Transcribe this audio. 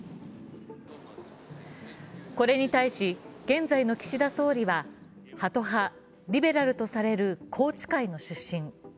これに対し、現在の岸田総理はハト派、リベラルとされる宏池会の出身。